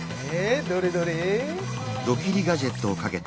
どれどれ？